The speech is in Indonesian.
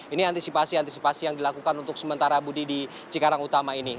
ini antisipasi antisipasi yang dilakukan untuk sementara budi di cikarang utama ini